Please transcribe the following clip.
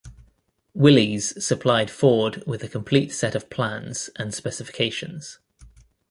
Willys supplied Ford with a complete set of plans and specifications.